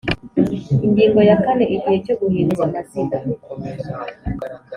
Ingingo ya kane Igihe cyo guhinduza amazina